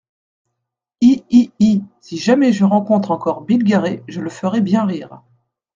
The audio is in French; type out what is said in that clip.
Hi ! hi ! hi ! Si jamais je rencontre encore Bill Garey, je le ferai bien rire.